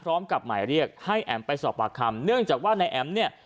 พร้อมกับหมายเรียกให้แอ๋มไปสอบปากคำเนื่องจากว่านายแอ๋มเนี่ย